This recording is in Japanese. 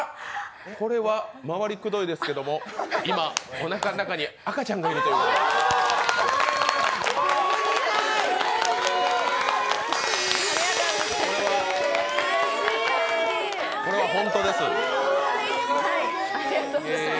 これは回りくどいですけどおなかのなかに赤ちゃんがいるというおめでたい！